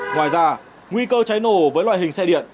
ngoài ra nguy cơ cháy nổ với loại hình xe điện